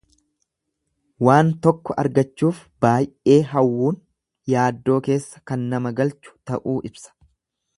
Waan tokko argachuuf baay'ee hawwuun yaaddoo keessa kan nama galchu ta'uu ibsa.